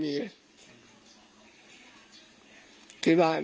มีเรื่องอะไรมาคุยกันรับได้ทุกอย่าง